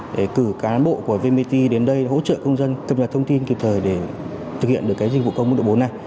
để cử cán bộ của vmpt đến đây hỗ trợ công dân cập nhật thông tin kịp thời để thực hiện được dịch vụ công mức độ bốn này